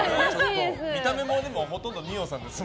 見た目もほとんど二葉さんですね。